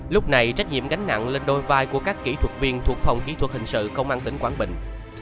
lúc này trách nhiệm gánh nặng lên đôi vai của các kỹ thuật viên thuộc phòng kỹ thuật hình sự công an tỉnh quảng bình